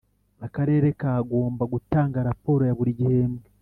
Akarere kagomba gutanga raporo ya buri gihembwe